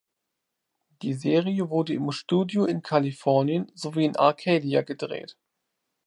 Die Serie wurde im Studio in Kalifornien sowie in Arcadia gedreht.